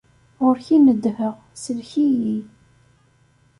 Ɣur-k i n-nedheɣ: sellek-iyi.